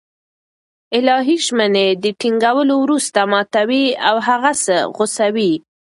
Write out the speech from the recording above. الهي ژمني له ټينگولو وروسته ماتوي او هغه څه غوڅوي